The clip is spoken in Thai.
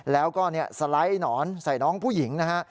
แล้วก็สไลด์หนอนใส่น้องผู้หญิงนะฮะ